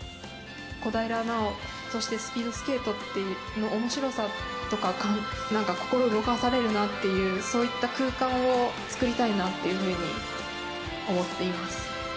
小平奈緒、そしてスピードスケートのおもしろさ、なんか心動かされるなっていう、そういった空間を作りたいなというふうに思っています。